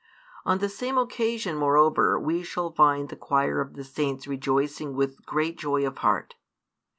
On the same occasion moreover, we shall find the choir of the Saints rejoicing with great joy of heart.